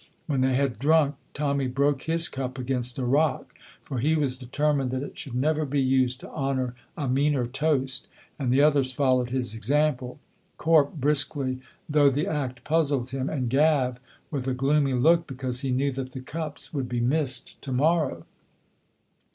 When they had drunk Tommy broke his cup against a rock, for he was determined that it should never be used to honor a meaner toast, and the others followed his example, Corp briskly, though the act puzzled him, and Gav with a gloomy look because he knew that the cups would be missed to morrow.